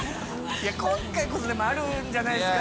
いや今回こそでもあるんじゃないですか？